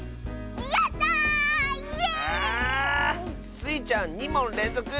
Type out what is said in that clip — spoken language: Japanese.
スイちゃん２もんれんぞく！